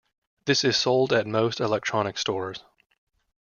This is sold at most electronic stores.